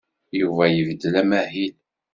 Yuba ibeddel amahil.